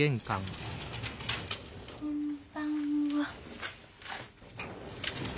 こんばんは。